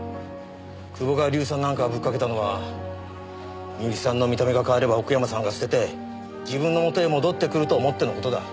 久保が硫酸なんかぶっかけたのは深雪さんの見た目が変われば奥山さんが捨てて自分のもとへ戻ってくると思っての事だ。